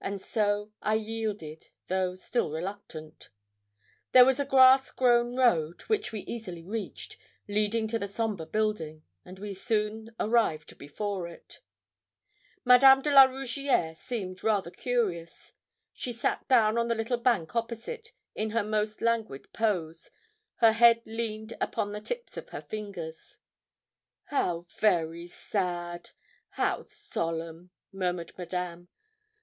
And so I yielded, though still reluctant. There was a grass grown road, which we easily reached, leading to the sombre building, and we soon arrived before it. Madame de la Rougierre seemed rather curious. She sat down on the little bank opposite, in her most languid pose her head leaned upon the tips of her fingers. 'How very sad how solemn!' murmured Madame.